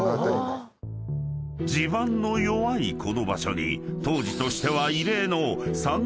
［地盤の弱いこの場所に当時としては］